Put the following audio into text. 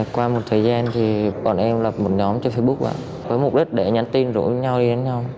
qua một thời gian thì bọn em lập một nhóm trên facebook với mục đích để nhắn tin rủ nhau đi đến nhau